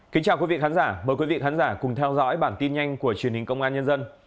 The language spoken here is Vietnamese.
kính chào quý vị khán giả mời quý vị khán giả cùng theo dõi bản tin nhanh của truyền hình công an nhân dân